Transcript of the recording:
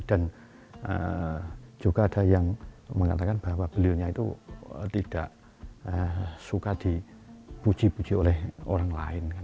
dan juga ada yang mengatakan bahwa belinya itu tidak suka dipuji puji oleh orang lain